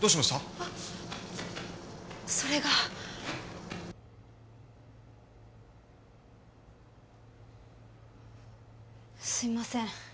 あっそれがすいません